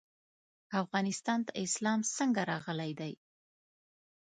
افغانستان ته اسلام څنګه راغلی دی؟